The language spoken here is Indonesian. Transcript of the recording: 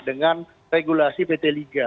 dengan regulasi pt liga